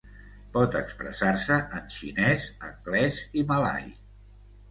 Pot expressar-se en xinès, anglès i malai.